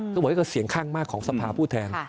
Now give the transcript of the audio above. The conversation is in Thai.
บอกว่าก็เสียงข้างมากของสภาผู้แทน